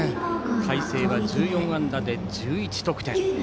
海星は１４安打で１１得点。